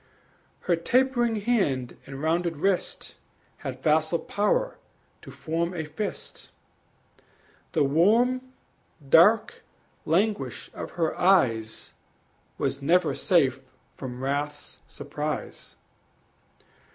Her tapering hand and rounded wrist Had facile power to form a fist; The warm, dark languish of her eyes Was never safe from wrath's surprise.